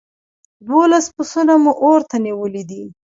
دوولس پسونه مو اور ته نيولي دي.